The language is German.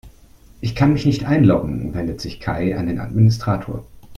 Ich kann mich nicht einloggen, wendet sich Kai an den Administrator.